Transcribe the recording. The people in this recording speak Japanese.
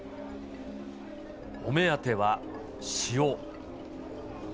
お目当ては、塩。